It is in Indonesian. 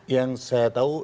yang saya tahu